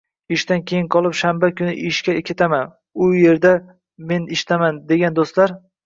Ishdan keyin qolib, shanba kuni ishga ketaman, bu erda men ishdaman, degan do'stlar